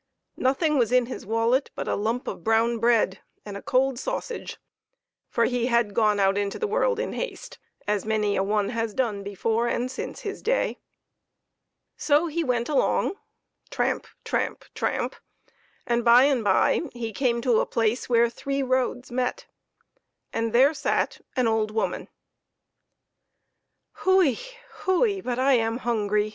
Nothing was in his wallet but a lump of brown bread and a cold sausage, for he had gone out into the world in haste, as many a one has done before and since his day. So he went along, tramp ! tramp ! tramp ! and by and by he came to a place where three roads met, and there sat an old woman. PEPPER AND SALT. " Hui ! hui ! but I am hungry